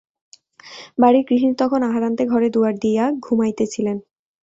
বাড়ির গৃহিণী তখন আহারান্তে ঘরে দুয়ার দিয়া ঘুমাইতেছিলেন।